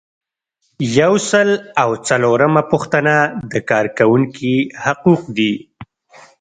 یو سل او څلورمه پوښتنه د کارکوونکي حقوق دي.